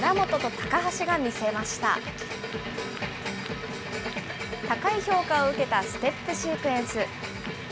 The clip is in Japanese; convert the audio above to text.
高い評価を受けたステップシークエンス。